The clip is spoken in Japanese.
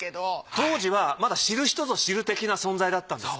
当時はまだ知る人ぞ知る的な存在だったんですか？